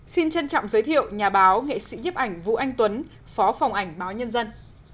xin trân trọng giới thiệu nhà báo nghệ sĩ nhấp ảnh vũ anh tuấn phó phòng ảnh báo nhân dân